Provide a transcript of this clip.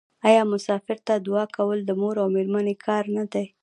آیا مسافر ته دعا کول د مور او میرمنې کار نه دی؟